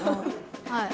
はい。